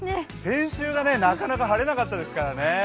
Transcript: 先週がなかなか晴れなかったですからね。